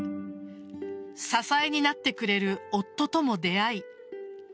支えになってくれる夫とも出会い